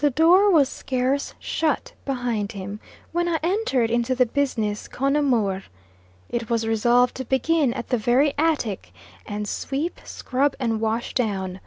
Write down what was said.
The door was scarce shut behind him, when I entered into the business con amore. It was resolved to begin at the very attic and sweep, scrub, and wash down.